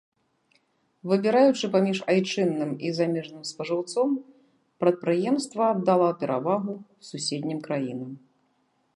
Выбіраючы паміж айчынным і замежным спажыўцом, прадпрыемства аддала перавагу суседнім краінам.